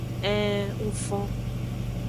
Ee ng fon.